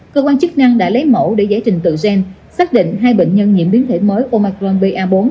cơ quan chức năng đã lấy mẫu để giải trình tự gen xác định hai bệnh nhân nhiễm biến thể mới omar bốn